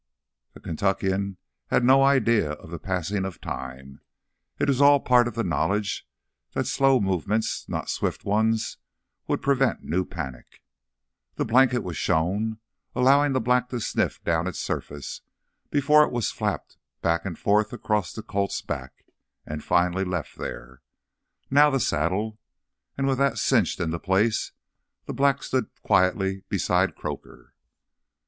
The Kentuckian had no idea of the passing of time; it was all part of the knowledge that slow movements, not swift ones, would prevent new panic. The blanket was shown, allowing the black to sniff down its surface, before it was flapped back and forth across the colt's back, and finally left there. Now the saddle. And with that cinched into place, the black stood quietly beside Croaker.